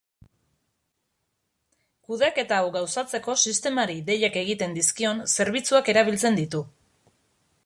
Kudeaketa hau gauzatzeko sistemari deiak egiten dizkion zerbitzuak erabiltzen ditu.